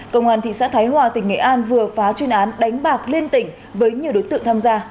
công an thị xã thái hòa tỉnh nghệ an vừa phá chuyên án đánh bạc liên tỉnh với nhiều đối tượng tham gia